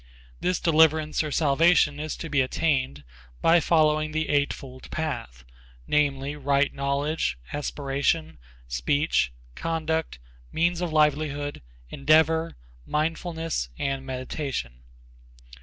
This deliverance or salvation is to be attained by following the eightfold path, namely, right knowledge, aspiration, speech, conduct, means of livelihood, endeavor, mindfulness and meditation.